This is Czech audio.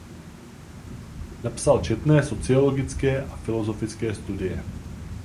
Napsal četné sociologické a filozofické studie.